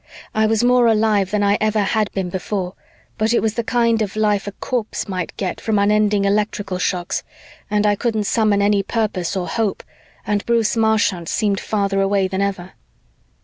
I was more alive than I ever had been before, but it was the kind of life a corpse might get from unending electrical shocks and I couldn't summon any purpose or hope and Bruce Marchant seemed farther away than ever.